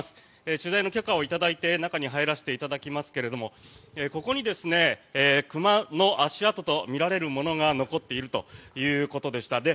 取材の許可を頂いて中に入らせていただきますがここに熊の足跡とみられるものが残っているということでした。